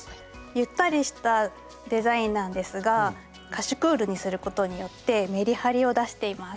ゆったりしたデザインなんですがカシュクールにすることによってめりはりを出しています。